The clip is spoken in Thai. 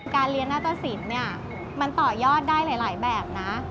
การเรียนหน้าตะสินเนี่ยมันต่อยอดได้หลายแบบนะ